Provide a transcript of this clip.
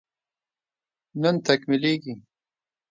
نن تکميلېږي